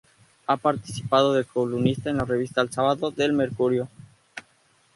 Ha participado de columnista en la revista "El Sábado" de "El Mercurio".